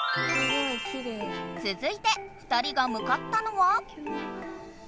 続いて２人がむかったのは？